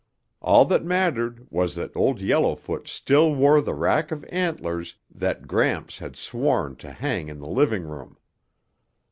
All that mattered was that Old Yellowfoot still wore the rack of antlers that Gramps had sworn to hang in the living room.